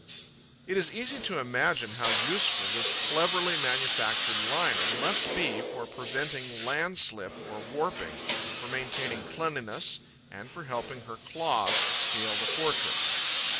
It is easy to imagine how useful this cleverly manufactured lining must be for preventing landslip or warping, for maintaining cleanliness and for helping her claws to scale the fortress.